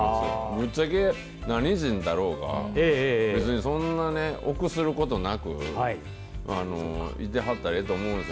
ぶっちゃけ、何人だろうが別にそんなに臆することなくいてはったらいいと思うんです。